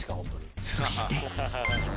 そして。